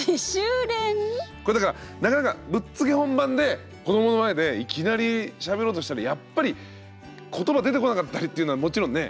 これだからなかなかぶっつけ本番で子どもの前でいきなりしゃべろうとしたらやっぱり言葉出てこなかったりっていうのはもちろんね。